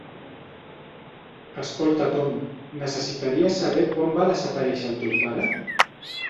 Escolta Tom, necessitaria saber quan va desaparèixer el teu pare?